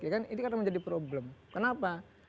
ini karena menjadi problem kenapa